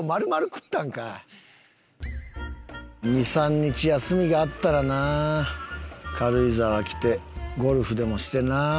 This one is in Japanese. ２３日休みがあったらな軽井沢来てゴルフでもしてなあ。